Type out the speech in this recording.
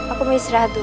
aku mau istirahat dulu